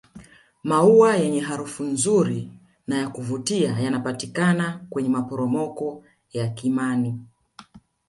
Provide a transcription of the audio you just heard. maua yenye harufu nzuri na yakuvutia yanapatikana kwenye maporomoko ya kimani